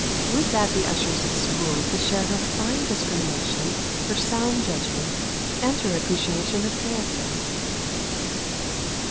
Would that the ushers at school could share her fine discrimination, her sound judgment, and her appreciation of character.